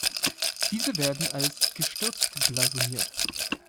Diese werden als "gestürzt" blasoniert.